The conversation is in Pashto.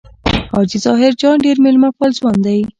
حاجي ظاهر جان ډېر مېلمه پال ځوان دی.